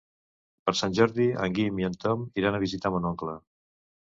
Per Sant Jordi en Guim i en Tom iran a visitar mon oncle.